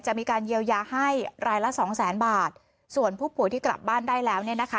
จะมีการเยียวยาให้รายละสองแสนบาทส่วนผู้ป่วยที่กลับบ้านได้แล้วเนี่ยนะคะ